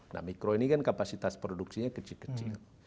nah mikro ini kan kapasitas produksinya kecil kecil